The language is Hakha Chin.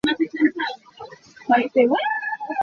Mi hrip hiau a si.